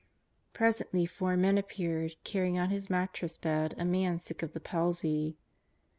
Presently four men appeared carrying on his mat tress bed a man sick of the palsy.